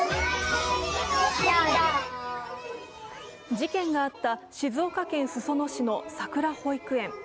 事件があった静岡県裾野市のさくら保育園。